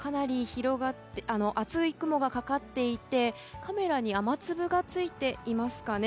厚い雲がかかっていてカメラに雨粒がついていますかね。